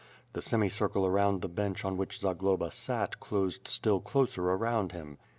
The semicircle around the bench on which Zagloba sat closed still closer around him.